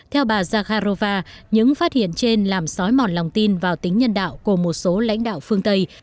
theo bà zakharova những phát hiện trên làm sói mòn lòng tin vào tính nhân đạo của một số lãnh đạo phương tây